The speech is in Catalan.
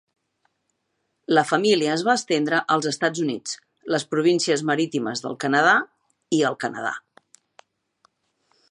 La família es va estendre als Estats Units, les Províncies Marítimes del Canadà i el Canadà.